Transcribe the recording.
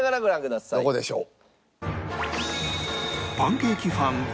どこでしょう？